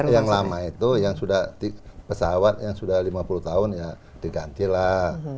yang lama itu yang sudah pesawat yang sudah lima puluh tahun ya diganti lah